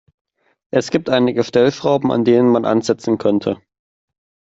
Es gibt einige Stellschrauben, an denen man ansetzen könnte.